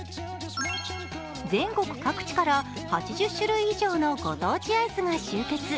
全国各地から８０種類以上のご当地アイスが集結。